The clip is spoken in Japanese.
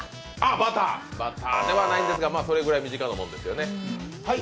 バターではないんですが、それくらい身近なものですよね。